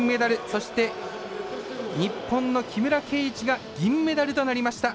そして、日本の木村敬一が銀メダルとなりました。